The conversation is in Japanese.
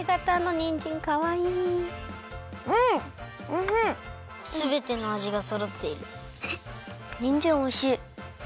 にんじんおいしい。